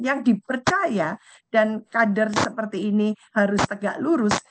yang dipercaya dan kader seperti ini harus tegak lurus